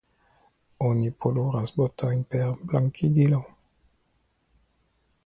Oni poluras botojn per blankigilo.